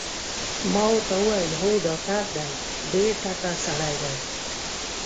ما ورته وویل: هو ډاکټر دی، ډېر تکړه سړی دی.